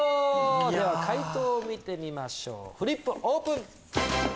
では解答を見てみましょうフリップオープン！